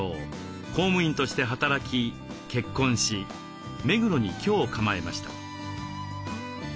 公務員として働き結婚し目黒に居を構えました。